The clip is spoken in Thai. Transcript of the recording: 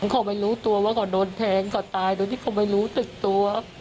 เขาไม่รู้ตัวว่าเขาโดนแทงเขาตายโดยที่เขาไม่รู้สึกตัว